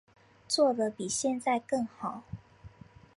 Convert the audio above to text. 做得比现在更好